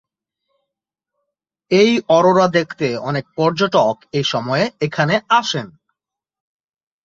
এই অরোরা দেখতে অনেক পর্যটক এই সময়ে এখানে আসেন।